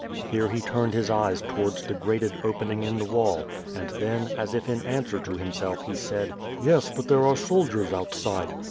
Here he turned his eyes towards the grated opening in the wall and then, as if in answer to himself, he said: "Yes, but there are soldiers outside."